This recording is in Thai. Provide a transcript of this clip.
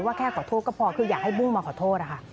แค่ขอโทษก็พอคืออยากให้บู้มาขอโทษค่ะ